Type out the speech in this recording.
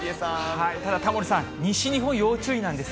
ただ、タモリさん、西日本、要注意なんです。